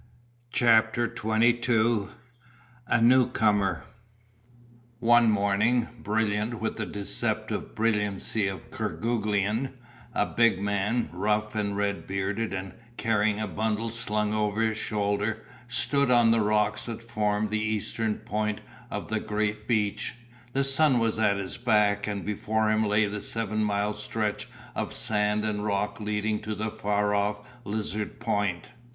CHAPTER XXII A NEWCOMER One morning, brilliant, with the deceptive brilliancy of Kerguelen, a big man, rough and red bearded and carrying a bundle slung over his shoulder, stood on the rocks that formed the eastern point of the great beach; the sun was at his back and before him lay the seven mile stretch of sand and rock leading to the far off Lizard Point.